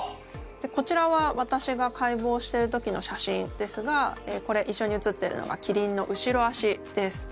こちらは私が解剖している時の写真ですがこれ一緒に写ってるのがキリンの後ろ足です。